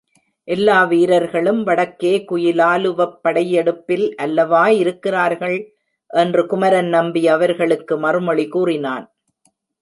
எல்லா வீரர்களும் வடக்கே குயிலாலுவப் படையெடுப்பில் அல்லவா இருக்கிறார்கள்? என்று குமரன் நம்பி அவர்களுக்கு மறுமொழி கூறினான்.